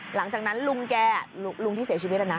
หลังจากนั้นลุงแกลุงที่เสียชีวิตนะ